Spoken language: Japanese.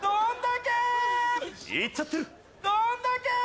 どんだけー。